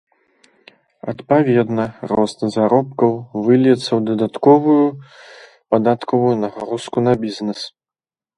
Адпаведна, рост заробкаў выльецца ў дадатковую падатковую нагрузку на бізнес.